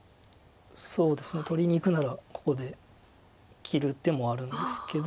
そうですね取りにいくならここで切る手もあるんですけど。